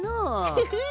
フフフ！